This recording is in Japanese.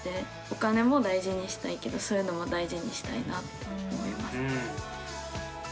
お金も大事にしたいけどそういうのも大事にしたいなって思います。